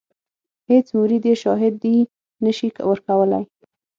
هیڅ مرید یې شاهدي نه شي ورکولای.